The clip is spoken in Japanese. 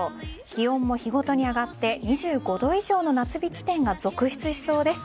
気温も日ごとに上がって２５度以上の夏日地点が続出しそうです。